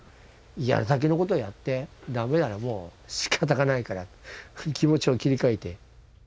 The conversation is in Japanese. やるだけのことはやって駄目ならもうしかたがないから気持ちを切り替えて。